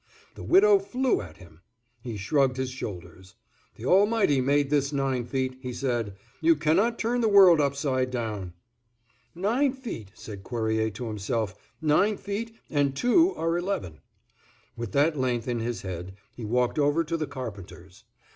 The widow flew at him. He shrugged his shoulders. "The Almighty made this nine feet," he said, "you cannot turn the world upside down." "Nine feet," said Cuerrier to himself, "nine feet, and two are eleven." With that length in his head he walked over to the carpenter's.